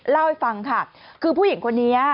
เล่าให้ฟังค่ะคือผู้หญิงคนนี้